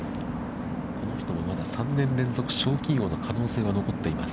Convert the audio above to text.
この人も、まだ３年連続賞金王の可能性が残っています。